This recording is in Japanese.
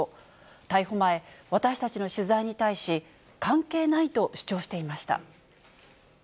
逮捕前、私たちの取材に対し、関係ないと主張していました。